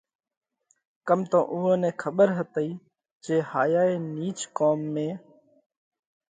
ڪم تو اُوئون نئہ کٻر هتئِي جي هائِيا نِيچ قُوم ۾